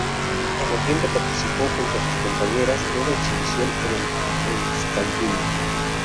En noviembre participó junto a sus compañeras en una exhibición en el Euskalgym.